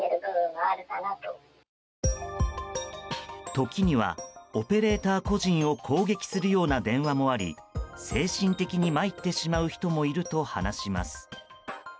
時にはオペレーター個人を攻撃するような電話もあり精神的に参ってしまう人もいると話します。